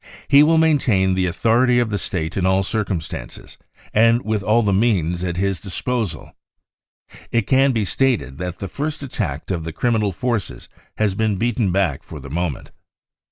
He will maintain the authority of the State in all circumstances and with all the means at his disposal. It can be stated that the first attack of the criminal forces has been beaten back for the moment.